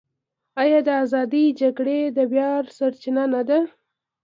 آیا د ازادۍ جګړې د ویاړ سرچینه نه ده؟